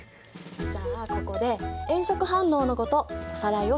じゃあここで炎色反応のことおさらいをしておこうか。